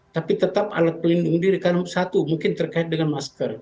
tapi tetap alat pelindung diri karena satu mungkin terkait dengan masker